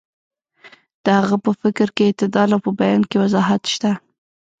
د هغه په فکر کې اعتدال او په بیان کې وضاحت شته.